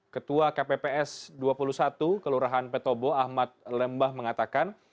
ketua kpps dua puluh satu kelurahan petobo ahmad lembah mengatakan